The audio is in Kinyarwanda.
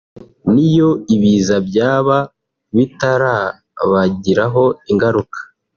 n’iyo ibiza byaba bitarabagiraho ingaruka